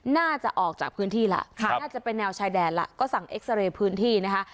น่าจะออกจากพื้นที่แล้วน่าจะเป็นแนวชายแดนแล้วก็สั่งเอ็กซาเรย์พื้นที่นะคะ